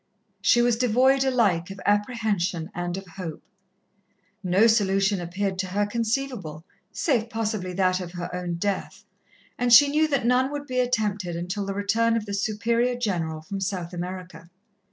She was devoid alike of apprehension and of hope. No solution appeared to her conceivable, save possibly that of her own death, and she knew that none would be attempted until the return of the Superior General from South America.